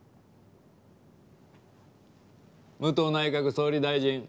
武藤内閣総理大臣。